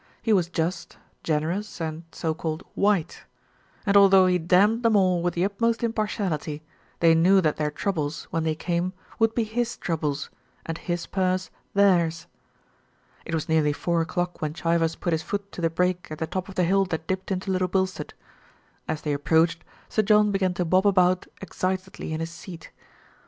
He was just, generous and "white," and although he damned them all with the utmost impartiality, they knew that their troubles, when they came, would be his troubles, and his purse theirs. It was nearly four o'clock when Chivers put his foot to the brake at the top of the hill that dipped into Little Bilstead. As they approached, Sir John began to bob about excitedly in his seat.